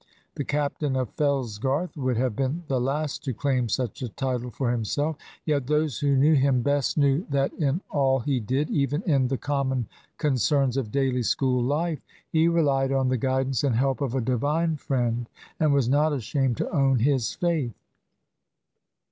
The captain of Fellsgarth would have been the last to claim such a title for himself; yet those who knew him best knew that in all he did, even in the common concerns of daily school life, he relied on the guidance and help of a Divine Friend, and was not ashamed to own his faith.